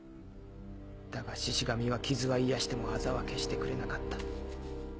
だがシシ神は傷は癒やしてもアザは消してくれなかった。